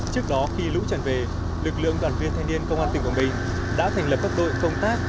trước đó khi lũ trần về lực lượng đoàn viên thanh niên công an tỉnh quảng bình đã thành lập các đội công tác